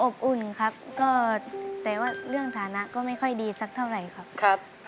อุ่นครับก็แต่ว่าเรื่องฐานะก็ไม่ค่อยดีสักเท่าไหร่ครับ